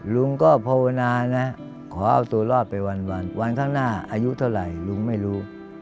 ลุงก็ภาวนานะขอเอาตัวรอดไปวันข้างหน้าอายุเท่าไหร่ลุงไม่รู้